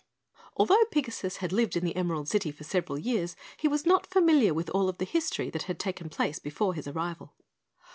Although Pigasus had lived in the Emerald City for several years, he was not familiar with all of the history that had taken place before his arrival.